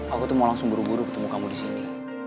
aku tuh mau langsung buru buru ketemu kamu di sini